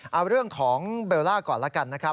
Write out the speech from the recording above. เอาเรื่องของเบลล่าก่อนแล้วกันนะครับ